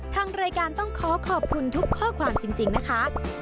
ทางรายการต้องขอขอบคุณทุกข้อความจริงนะคะ